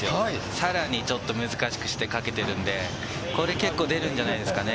さらに難しくしてかけてるんで、これ結構、出るんじゃないですかね。